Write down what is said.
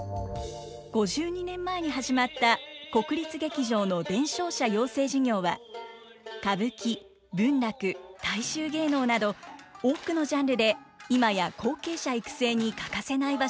５２年前に始まった国立劇場の伝承者養成事業は歌舞伎文楽大衆芸能など多くのジャンルで今や後継者育成に欠かせない場所となっています。